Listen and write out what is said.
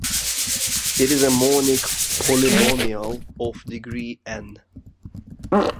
It is a monic polynomial of degree "n".